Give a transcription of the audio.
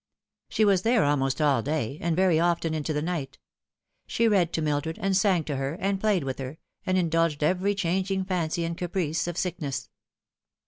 She was there almost all day, and very often in the night. She read to Mildred, and sang to her, and played with her, and indulged every changing fancy and caprice of sickness.